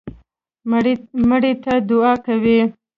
مړي ته دعا کوئ